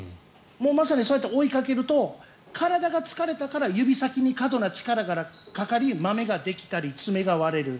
まさにそうやって追いかけると体が疲れたから指先に過度な力がかかりまめができたり爪が割れる。